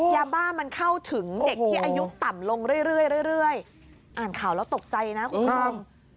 ยาบ้ามันเข้าถึงเด็กที่อายุต่ำลงเรื่อยอ่านข่าวแล้วตกใจนะคุณผู้ชม